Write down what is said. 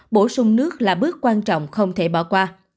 bổ sung nước là bước quan trọng không thể bỏ qua